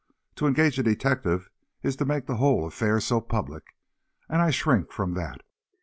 To engage a detective is to make the whole affair so public, and I shrink from that."